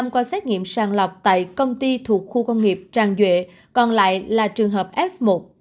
một mươi qua xét nghiệm sàng lọc tại công ty thuộc khu công nghiệp tràng duệ còn lại là trường hợp f một